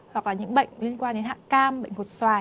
hoặc là những bệnh liên quan đến hạng cam bệnh hột xoài